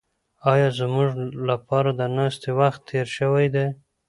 ایا زموږ لپاره د ناستې وخت تېر شوی دی؟